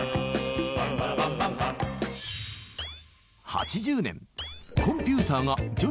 ８０年。